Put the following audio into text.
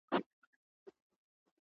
هڅونه د زده کړي سرعت زیاتوي.